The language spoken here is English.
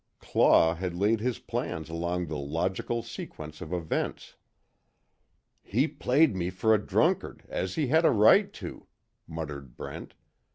Claw had laid his plans along the logical sequence of events. "He played me for a drunkard, as he had a right to," muttered Brent.